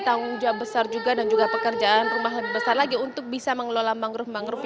tanggung jawab besar juga dan juga pekerjaan rumah lebih besar lagi untuk bisa mengelola mangrove mangrove